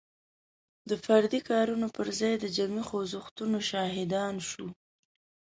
د فردي کارونو پر ځای د جمعي خوځښتونو شاهدان شو.